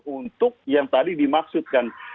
untuk yang tadi dimaksudkan